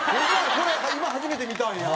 これ今初めて見たんや。